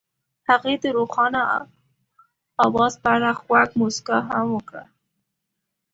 هغې د روښانه اواز په اړه خوږه موسکا هم وکړه.